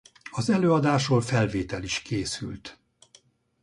Az előadásról felvétel is készült.